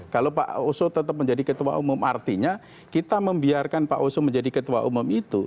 kalau pak oso tetap menjadi ketua umum artinya kita membiarkan pak oso menjadi ketua umum itu